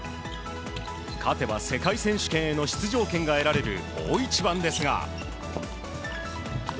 勝てば世界選手権への出場権が得られる大一番ですが。